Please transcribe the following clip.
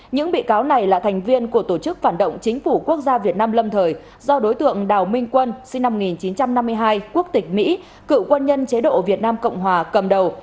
những bị cáo này là thành viên của tổ chức phản động chính phủ quốc gia việt nam lâm thời do đối tượng đào minh quân sinh năm một nghìn chín trăm năm mươi hai quốc tịch mỹ cựu quân nhân chế độ việt nam cộng hòa cầm đầu